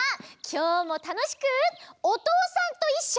きょうもたのしく「おとうさんといっしょ」。